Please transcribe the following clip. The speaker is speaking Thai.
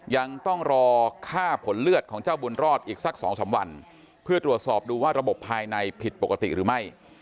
ยังต้องรอค่าผลเลือดของเจ้าบุญรอดอีกสักสองสามวันเพื่อตรวจสอบดูว่าระบบภายในผิดปกติหรือไม่